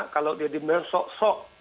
kalau dia dimer sok sok